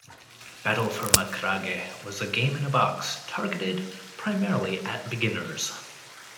"Battle for Macragge" was a 'game in a box', targeted primarily at beginners.